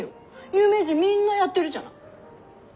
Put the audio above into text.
有名人みんなやってるじゃない。